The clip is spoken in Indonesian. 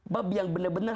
bab yang benar benar